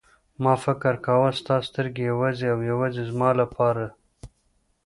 ما فکر کاوه ستا سترګې یوازې او یوازې زما لپاره.